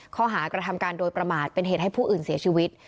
ข้อหากระทำการโดยประมาทเป็นเหตุให้ผู้อื่นเสียชีวิต